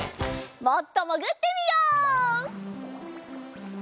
もっともぐってみよう！